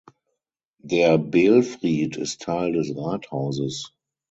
Der Belfried ist Teil des Rathauses.